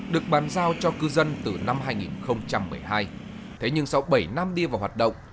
được bàn giao cho cư dân từ năm hai nghìn một mươi hai thế nhưng sau bảy năm đi vào hoạt động